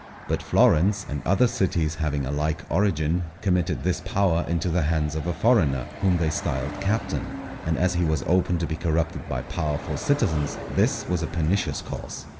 But Florence, and other cities having a like origin, committed this power into the hands of a foreigner, whom they styled Captain, and as he was open to be corrupted by powerful citizens this was a pernicious course.